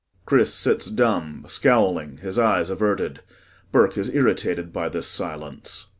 [CHRIS sits dumb, scowling, his eyes averted. BURKE is irritated by this silence.